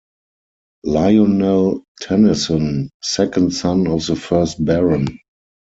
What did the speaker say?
Lionel Tennyson, second son of the first Baron.